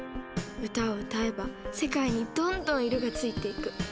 歌を歌えば世界にどんどん色がついていく。